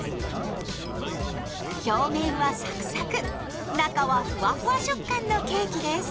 表面はサクサク中はふわふわ食感のケーキです。